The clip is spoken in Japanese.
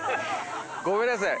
ごめんなさい。